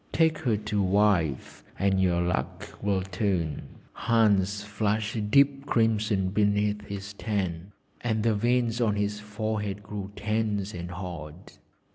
Take her to wife, and your luck will turn.' Hans flushed deep crimson beneath his tan, and the veins on his forehead grew tense and hard.